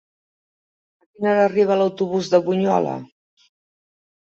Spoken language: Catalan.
A quina hora arriba l'autobús de Bunyola?